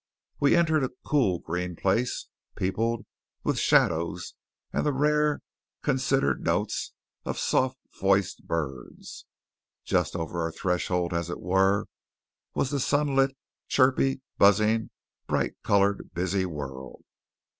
We entered a cool green place, peopled with shadows and the rare, considered notes of soft voiced birds. Just over our threshold, as it were, was the sunlit, chirpy, buzzing, bright coloured, busy world.